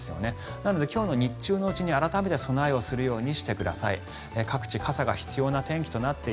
なので今日の日中のうちに改めて備えをするようにしてください。